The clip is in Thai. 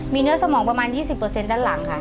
มีเนื้อสมองประมาณ๒๐ด้านหลังค่ะ